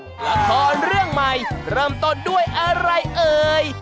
ละครเรื่องใหม่เริ่มต้นด้วยอะไรเอ่ย